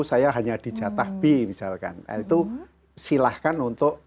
saya hanya di jatah b misalkan itu silahkan untuk